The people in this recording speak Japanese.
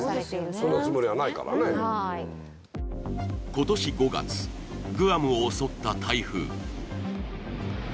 今年５月グアムを襲った台風